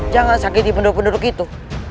jangan sakiti penduduk penduduk itu